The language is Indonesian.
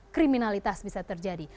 kriminalitas bisa terjadi